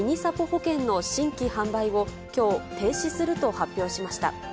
ほけんの新規販売をきょう、停止すると発表しました。